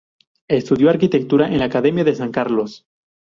Estudió arquitectura en la Academia de San Carlos.